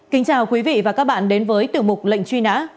kính chào quý vị và các bạn đến với tiểu mục lệnh truy nã